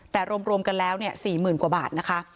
แต่รวมรวมกันแล้วเนี่ยสี่หมื่นกว่าบาทนะคะ